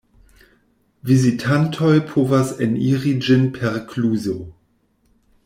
Vizitantoj povas eniri ĝin per kluzo.